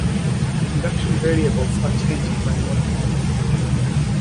Induction variables are changing by known amounts.